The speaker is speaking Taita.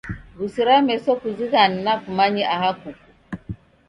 W'usira meso kuzighane na kumanye aha kuko.